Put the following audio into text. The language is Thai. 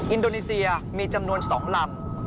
อินโดนีเซียมีจำนวน๒ลำ